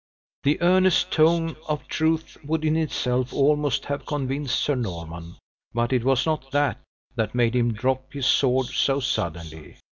The earnest tone of truth would, in itself, almost have convinced Sir Norman, but it was not that, that made him drop his sword so suddenly.